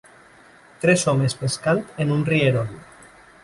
Tres homes pescant en un rierol.